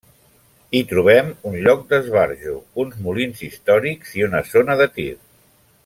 Hi trobem un lloc d'esbarjo, uns molins històrics i una zona de tir.